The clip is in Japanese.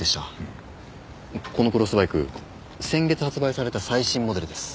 このクロスバイク先月発売された最新モデルです。